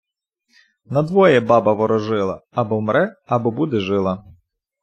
Надвоє баба ворожила: або вмре, або буде жила.